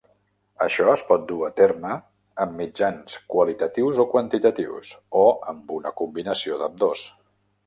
Això es pot dur a terme amb mitjans qualitatius o quantitatius, o amb una combinació d'ambdós.